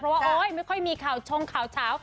เพราะว่าโอ๊ยไม่ค่อยมีข่าวชงข่าวเช้า